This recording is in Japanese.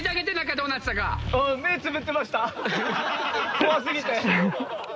怖過ぎて。